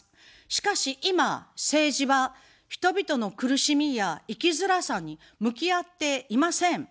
しかし、今政治は人々の苦しみや生きづらさに向き合っていません。